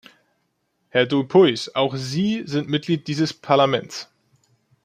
Herr Dupuis, auch Sie sind Mitglied dieses Parlaments.